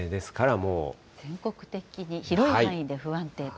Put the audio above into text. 全国的に広い範囲で不安定と。